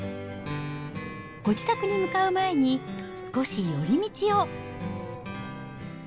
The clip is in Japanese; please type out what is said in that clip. ご自宅に向かう前に、少し寄り道を。